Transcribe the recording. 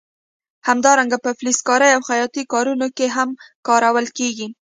همدارنګه په فلزکارۍ او خیاطۍ کارونو کې هم کارول کېږي.